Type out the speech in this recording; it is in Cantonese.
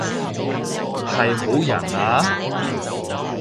係好人啊？